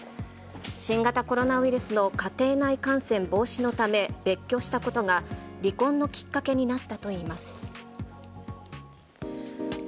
新型コロナウイルスの家庭内感染防止のため、別居したことが離婚のきっかけになったといいます。